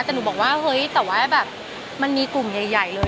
แต่หนูบอกว่าเฮ้ยแต่ว่าแบบมันมีกลุ่มใหญ่เลย